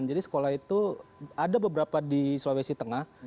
jadi sekolah itu ada beberapa di sulawesi tengah